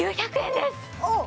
おっ！